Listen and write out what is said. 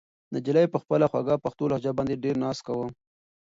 نجلۍ په خپله خوږه پښتو لهجه باندې ډېر ناز کاوه.